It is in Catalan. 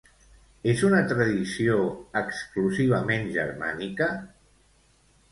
És una tradició exclusivament germànica?